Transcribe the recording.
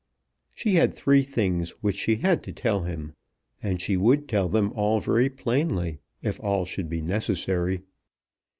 She had three things which she had to tell him, and she would tell them all very plainly if all should be necessary.